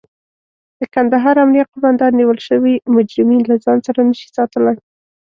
د کندهار امنيه قوماندان نيول شوي مجرمين له ځان سره نشي ساتلای.